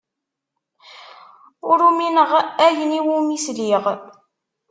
Ur umineɣ ayen iwumi sliɣ.